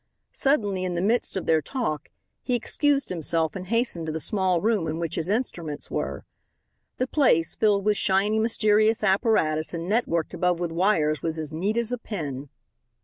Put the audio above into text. Suddenly, in the midst of their talk, he excused himself and hastened to the small room in which his instruments were. The place, filled with shiny, mysterious apparatus and networked above with wires, was as neat as a pin.